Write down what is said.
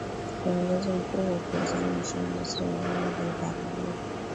kiongozi mkuu wa upinzani nchini misri mohamed elbaradei